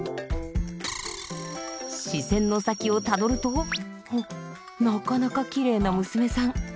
視線の先をたどるとおなかなかキレイな娘さん。